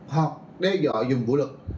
hoặc đe dọa dùng vũ lực